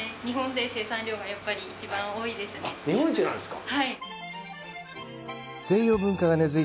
日本で生産量がやっぱり一番多いですね。